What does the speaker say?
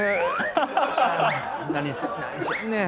何してんねん！